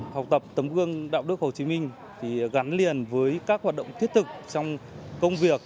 học tập tấm gương đạo đức hồ chí minh gắn liền với các hoạt động thiết thực trong công việc